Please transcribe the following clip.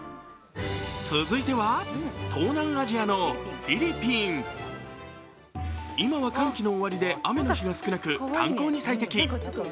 続いては、東南アジアのフィリピン今は乾季の終わりで雨の日が少なく、観光に最適。